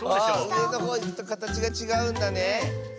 うえのほういくとかたちがちがうんだね。